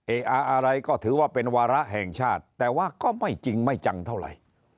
อะไรก็ถือว่าเป็นวาระแห่งชาติแต่ว่าก็ไม่จริงไม่จังเท่าไหร่